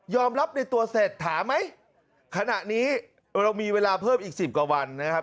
รับในตัวเสร็จถามไหมขณะนี้เรามีเวลาเพิ่มอีกสิบกว่าวันนะครับ